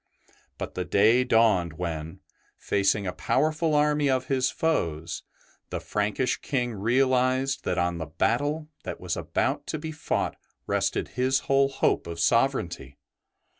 But the day dawned when, facing a powerful army of his foes, the Frankish King realized that on the battle that was about to be fought rested his whole hope of sovereignty.